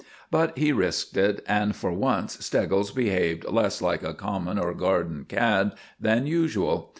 But he risked it; and for once Steggles behaved less like a common or garden cad than usual.